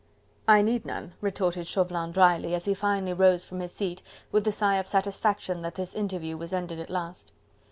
"I need none," retorted Chauvelin drily, as he finally rose from his seat, with a sigh of satisfaction that this interview was ended at last.